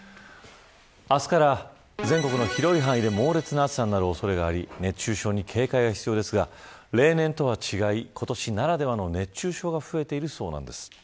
明日から、全国の広い範囲で猛烈な暑さになる恐れがあり熱中症に警戒が必要ですが例年とは違い、今年ならではの熱中症が増えているそうなんです。